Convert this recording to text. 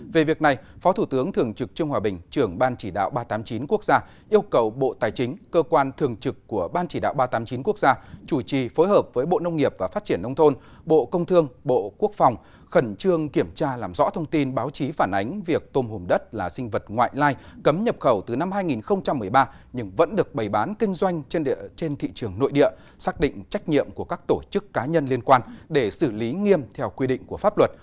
về việc này phó thủ tướng thường trực trương hòa bình trưởng ban chỉ đạo ba trăm tám mươi chín quốc gia yêu cầu bộ tài chính cơ quan thường trực của ban chỉ đạo ba trăm tám mươi chín quốc gia chủ trì phối hợp với bộ nông nghiệp và phát triển nông thôn bộ công thương bộ quốc phòng khẩn trương kiểm tra làm rõ thông tin báo chí phản ánh việc tôm hùm đất là sinh vật ngoại lai cấm nhập khẩu từ năm hai nghìn một mươi ba nhưng vẫn được bày bán kinh doanh trên thị trường nội địa xác định trách nhiệm của các tổ chức cá nhân liên quan để xử lý nghiêm theo quy định của pháp luật